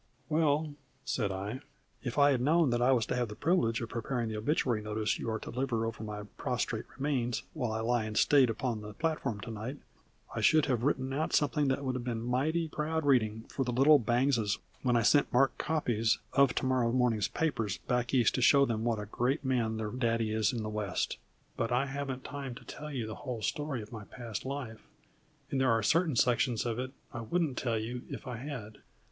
"Well," said I, "if I had known I was to have the privilege of preparing the obituary notice you are to deliver over my prostrate remains while I lie in state upon the platform to night, I should have written out something that would have been mighty proud reading for the little Bangses when I sent marked copies of to morrow morning's papers back East to show them what a great man their daddy is in the West. But I haven't time to tell you the whole story of my past life, and there are certain sections of it I wouldn't tell you if I had.